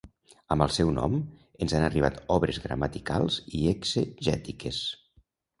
Amb el seu nom ens han arribat obres gramaticals i exegètiques.